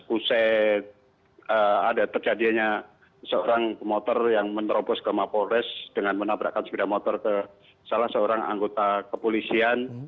usai ada terjadinya seorang motor yang menerobos ke mapolres dengan menabrakkan sepeda motor ke salah seorang anggota kepolisian